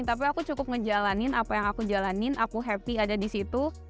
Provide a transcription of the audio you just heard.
tapi aku cukup ngejalanin apa yang aku jalanin aku happy ada di situ